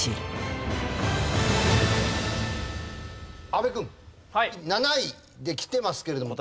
阿部君７位できてますけれども。